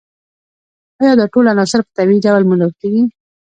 ایا دا ټول عناصر په طبیعي ډول موندل کیږي